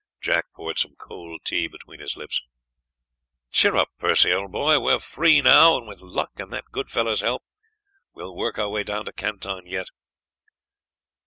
Jack poured some cold tea between his lips. "Cheer up, Percy, old boy, we are free now, and with luck and that good fellow's help we will work our way down to Canton yet."